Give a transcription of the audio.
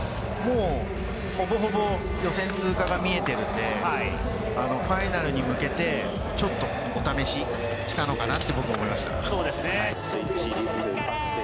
ほぼほぼ予選通過が見えているので、ファイナルに向けてちょっとお試ししたのかなって思いました。